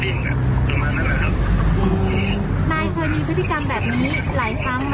ดีที่นะคะปกติติดใสใครที่คนเผ่าร้ายอยู่แล้ว